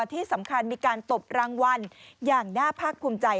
ที่สำคัญมีการตบรางวัลอย่างน่าภาคภูมิใจ